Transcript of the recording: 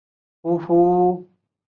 母程氏。